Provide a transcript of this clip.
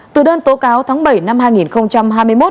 từ đơn tố cáo tháng bảy năm hai nghìn hai mươi một